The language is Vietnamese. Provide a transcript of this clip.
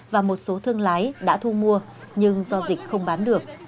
và một số thương lái đã thu mua nhưng do dịch không bán được